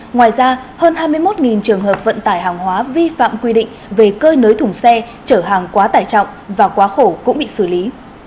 ngoài ra hơn hai mươi một trường hợp vận tải hàng hóa vi phạm quy định về cơi nới thùng xe trở hàng quá tải trọng và quá khổ cũng bị xử lý